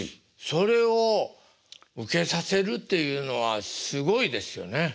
それをウケさせるっていうのはすごいですよね。